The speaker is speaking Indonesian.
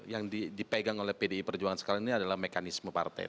yang dipegang oleh pdi perjuangan sekarang ini adalah mekanisme partai